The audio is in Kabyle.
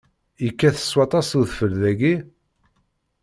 Yekkat s waṭas udfel dagi?